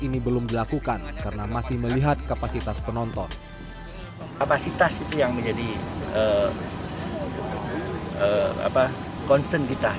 ini belum dilakukan karena masih melihat kapasitas penonton kapasitas itu yang menjadi apa concern kita